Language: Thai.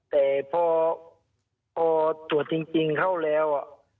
แต่พอตรวจจริงเข้าแล้ว